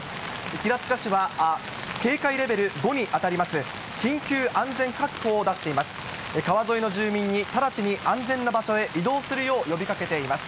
平塚市は、警戒レベル５に当たります緊急安全確保を出しています。